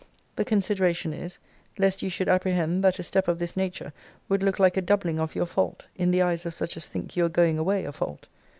The consideration is, lest you should apprehend that a step of this nature would look like a doubling of your fault, in the eyes of such as think your going away a fault.